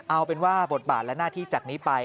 เอาเป็นว่าบทบาทและหน้าที่จากนี้ไป